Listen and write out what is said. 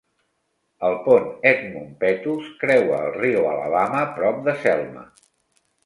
El pont Edmund Pettus creua el riu Alabama prop de Selma.